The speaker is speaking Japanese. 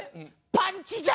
「パンチじゃ！」。